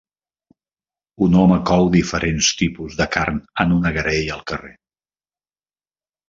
Un home cou diferents tipus de carn en una graella al carrer.